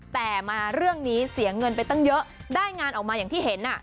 แต่มาเรื่องนี้เสียเงินไปตั้งเยอะได้งานออกมาอย่างที่เห็น